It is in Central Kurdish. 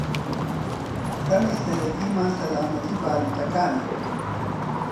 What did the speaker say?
خەمی سەرەکیمان، سەلامەتیی بارمتەکانە.